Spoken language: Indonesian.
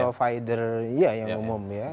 provider iya yang umum ya